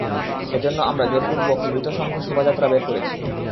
এজন্য আমরা জোরপূর্বক মৃত সংঘ শোভাযাত্রা বের করেছি।